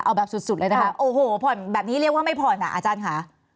เอาแบบสุดเลยนะคะโอ้โหผ่อนแบบนี้เรียกว่าไม่ผ่อนอ่ะอาจารย์ค่ะ